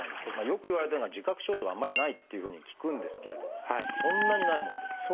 よくいわれてるのが自覚症状があんまりないっていうふうに聞くんですけれどそんなにないものですか？